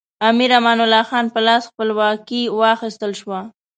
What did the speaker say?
امیر امان الله خان په لاس خپلواکي واخیستل شوه.